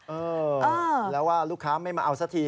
เออแล้วว่าลูกค้าไม่มาเอาสักที